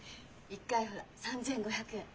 １回ほら３，５００円。